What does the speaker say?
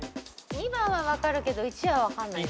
２番は分かるけど１は分かんない。